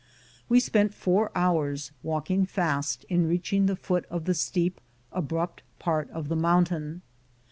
We spent four hours, walking fast, in reaching the foot of the steep, abrupt part of the mountain.